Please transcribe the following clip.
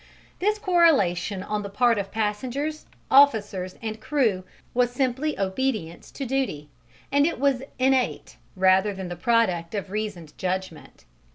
This correlation on the part of passengers, officers and crew was simply obedience to duty, and it was innate rather than the product of reasoned judgment.